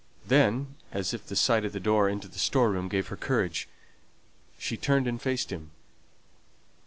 Then, as if the sight of the door into the store room gave her courage, she turned and faced him.